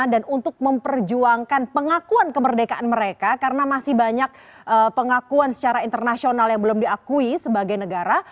dan untuk memperjuangkan pengakuan kemerdekaan mereka karena masih banyak pengakuan secara internasional yang belum diakui sebagai negara